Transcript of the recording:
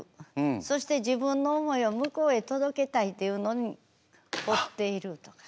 そして自分の思いを向こうへ届けたいというのに放っているとか。